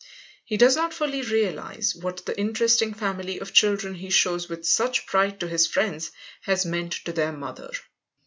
He does not fully realize what the interesting family of children he shows with such pride to his friends has meant to their mother.